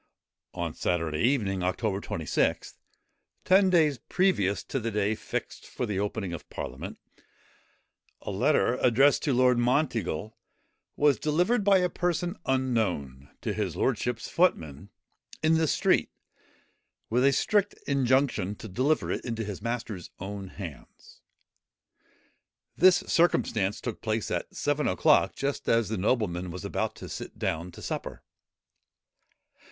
On Saturday evening, October 26, ten days previous to the day fixed for the opening of parliament, a letter, addressed to Lord Monteagle, was delivered, by a person unknown, to his lordship's footman, in the street, with a strict injunction to deliver it into his master's own hands. This circumstance took place at seven o'clock, just as the nobleman was about to sit down to supper.